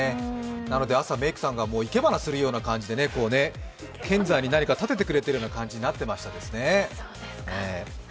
なので、朝メークさんが生け花するような感じで、剣山に何か立ててくれるような感じになってますね。